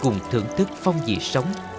cùng thưởng thức phong dị sống